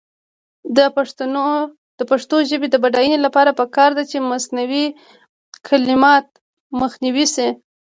د پښتو ژبې د بډاینې لپاره پکار ده چې مصنوعي کلمات مخنیوی شي.